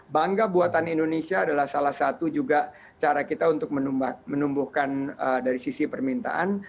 bangga buatan indonesia adalah salah satu juga cara kita untuk menumbuhkan dari sisi permintaan